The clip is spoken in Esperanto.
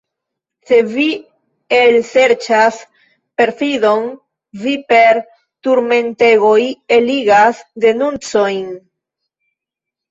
Sed vi elserĉas perfidon, vi per turmentegoj eligas denuncojn.